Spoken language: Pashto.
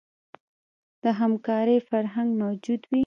د همکارۍ فرهنګ موجود وي.